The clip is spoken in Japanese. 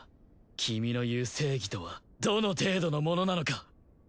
君の言う正義とはどの程度のものなのか。